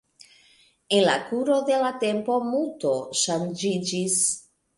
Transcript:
En al kuro de la tempo multo ŝanĝiĝis.